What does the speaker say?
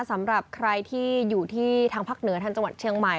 สำหรับใครที่อยู่ที่ทางภาคเหนือทางจังหวัดเชียงใหม่